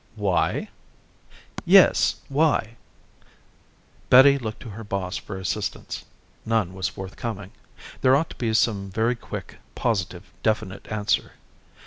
"Why?" "Yes, why?" Betty looked to her boss for assistance. None was forthcoming. There ought to be some very quick, positive, definite answer.